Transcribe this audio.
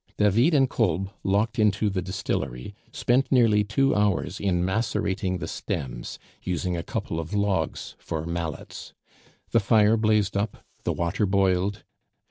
David and Kolb, locked into the distillery, spent nearly two hours in macerating the stems, using a couple of logs for mallets. The fire blazed up, the water boiled.